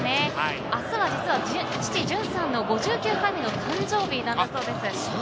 明日は実は父・じゅんさんの５９回目の誕生日なんだそうです。